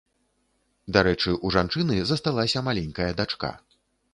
Дарэчы, у жанчыны засталася маленькая дачка.